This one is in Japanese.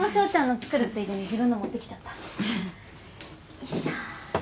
よいしょ。